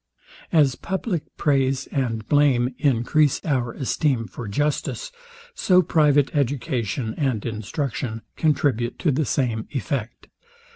As publick praise and blame encrease our esteem for justice; so private education and instruction contribute to the same effect.